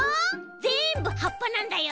ぜんぶはっぱなんだよ。